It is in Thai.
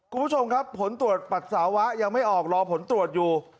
คุณผู้ชมครับผลตรวจปัสสาวะยังไม่ออกรอผลตรวจอยู่